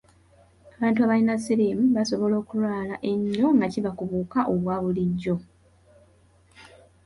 Abantu abalina siriimu basobola okulwala ennyo nga kiva ku buwuka obwa bulijjo.